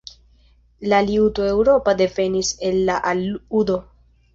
La liuto eŭropa devenis el la al-udo.